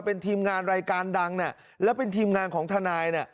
เป็นทีมงานรายการดังและเป็นทีมงานของทนาย